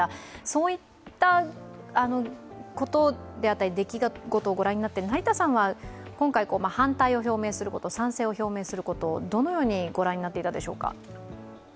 そういったことであったり、出来事をご覧になって成田さんは賛成を表明すること、どのようにご覧になっていたでしょうか。